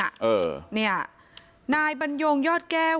นี่ครับเออนี่นายบรรยงยอดแก้ว